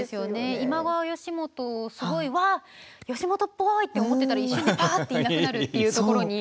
今川義元を、すごい、わあ義元っぽいって思っていたら一瞬でぱーっといなくなるっていうところに。